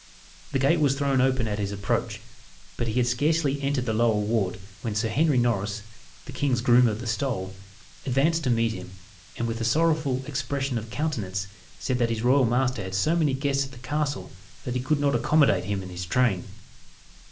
The gate was thrown open at his approach, but he had scarcely entered the lower ward when Sir Henry Norris, the king's groom of the stole, advanced to meet him, and, with a sorrowful expression of countenance, said that his royal master had so many guests at the castle, that he could not accommodate him and his train.